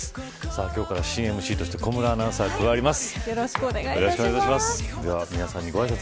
今日から新ＭＣとして小室アナウンサーが加わります。